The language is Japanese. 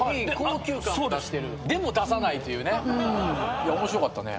いや面白かったね。